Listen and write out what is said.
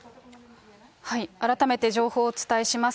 改めて情報をお伝えします。